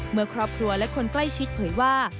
เมื่อครอบครัวและคนใกล้ชิดเผยว่า